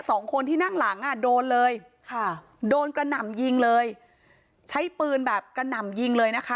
สองคนที่นั่งหลังอ่ะโดนเลยค่ะโดนกระหน่ำยิงเลยใช้ปืนแบบกระหน่ำยิงเลยนะคะ